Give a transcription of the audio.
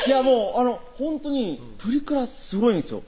ほんとにプリクラすごいんですよ